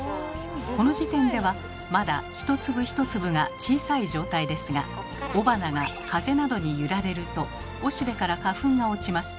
この時点ではまだ一粒一粒が小さい状態ですが雄花が風などに揺られるとおしべから花粉が落ちます。